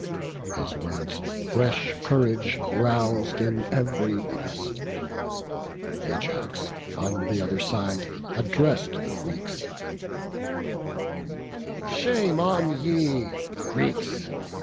His words fresh courage rous'd in ev'ry breast. Ajax, on th' other side, address'd the Greeks: "Shame on ye, Greeks!